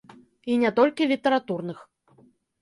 І не толькі літаратурных.